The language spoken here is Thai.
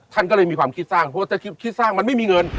ท่านก็เลยมีความคิดสร้างเพราะว่าถ้าคิดสร้างมันไม่มีเงิน